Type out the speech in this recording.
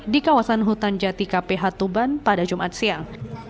di kawasan hutan jati kph tuban pada jumat siang